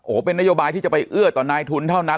โอ้โหเป็นนโยบายที่จะไปเอื้อต่อนายทุนเท่านั้น